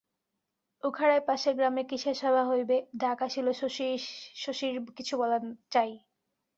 উখারায় পাশের গ্রামে কিসের সভা হইবে, ডাক আসিল শশীর কিছু বলা চাই।